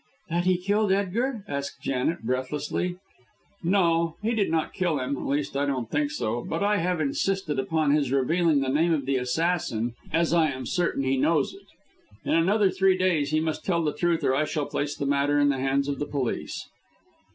"That he killed Edgar?" asked Janet, breathlessly. "No, he did not kill him at least, I don't think so. But I have insisted upon his revealing the name of the assassin, as I am certain he knows it. In another three days he must tell the truth, or I shall place the matter in the hands of the police."